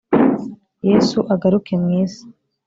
Yes' agaruke mw isi